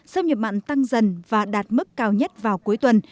xâm nhập mặn tăng dần và đạt mức cao nhất vào cuối tuần